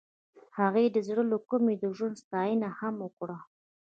هغې د زړه له کومې د ژوند ستاینه هم وکړه.